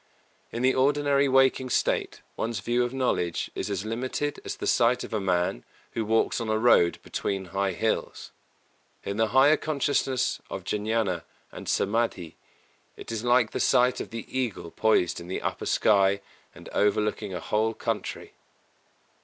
In the ordinary waking state one's view of knowledge is as limited as the sight of a man who walks on a road between high hills; in the higher consciousness of Jñāna and Samādhi it is like the sight of the eagle poised in the upper sky and overlooking a whole country.